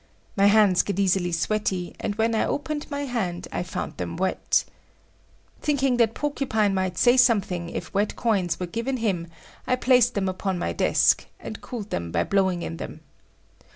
My hands get easily sweaty, and when I opened my hand, I found them wet. Thinking that Porcupine might say something if wet coins were given him, I placed them upon my desk, and cooled them by blowing in them.